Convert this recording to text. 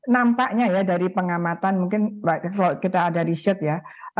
nampaknya ya dari pengamatan mungkin kalau kita ada riset ya